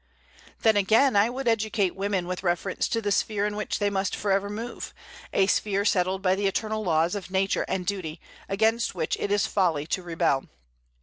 Then, again, I would educate women with reference to the sphere in which they must forever move, a sphere settled by the eternal laws of Nature and duty, against which it is folly to rebel.